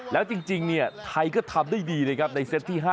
แล้วจริงไทยก็ทำได้ดีนะครับในเซตที่๕